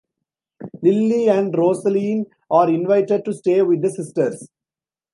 Lily and Rosaleen are invited to stay with the sisters.